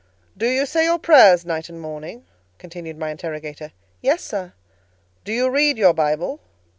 "Do you say your prayers night and morning?" continued my interrogator. "Yes, sir." "Do you read your Bible?"